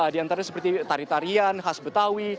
di antaranya seperti tarian tarian khas betawi